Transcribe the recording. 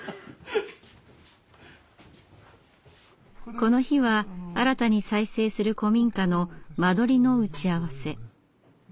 この日は新たに再生する古民家の間取りの打ち合わせ。